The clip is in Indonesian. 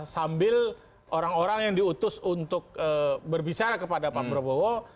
sambil orang orang yang diutus untuk berbicara kepada pak prabowo